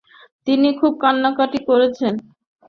তিনি খুব কান্নাকাটি করেছেন।